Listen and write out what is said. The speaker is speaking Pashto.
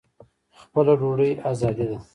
خپله ډوډۍ ازادي ده.